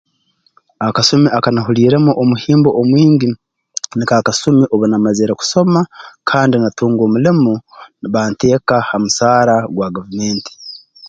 Akasumi akanahuliiremu omuhimbo omwingi nuko akasumi obu namazire kusoma kandi natunga omulimo banteeka ha musaara gwa gavumenti